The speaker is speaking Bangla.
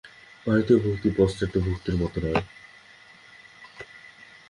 ভারতীয় ভক্তি পাশ্চাত্য ভক্তির মত নয়।